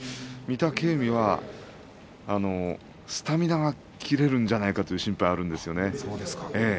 御嶽海はスタミナが切れるんじゃないかという心配があるんですよね。